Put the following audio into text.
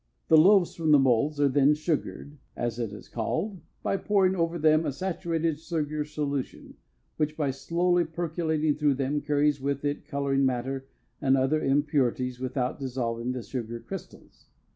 The loaves from the molds are then sugared, as it is called, by pouring over them a saturated sugar solution, which, by slowly percolating through them, carries with it coloring matter and other impurities without dissolving the sugar crystals.